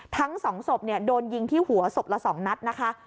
ทั้ง๒ศพโดนยิงที่หัวศพละ๒นัดนะคะ